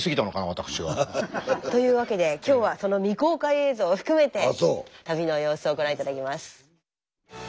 私が。というわけで今日はその未公開映像を含めて旅の様子をご覧頂きます。